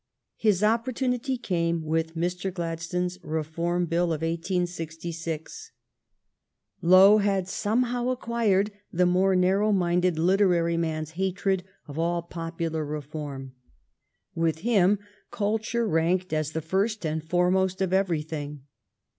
His opportu nity came with Mr. Gladstone's Reform Bill of 1866. GLADSTONE SUPPORTS POPULAR SUFFRAGE 255 Lowe had somehow acquired the more narrow minded literary man's hatred of all popular reform. With him culture ranked as the first and foremost of everything.